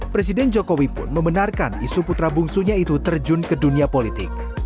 presiden jokowi pun membenarkan isu putra bungsunya itu terjun ke dunia politik